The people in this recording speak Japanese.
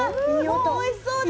もうおいしそうだ！